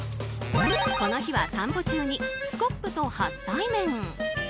この日は散歩中にスコップと初対面。